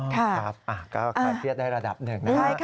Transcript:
ครับก็คลายเครียดได้ระดับหนึ่งนะครับ